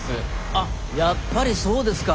あっやっぱりそうですか。